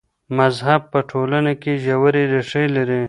مذهب په ټولنه کي ژورې ريښې لري.